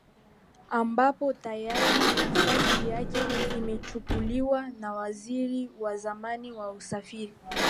ambapo tayari nafasi yake imechukuliwa na waziri wa zamani wa usafiri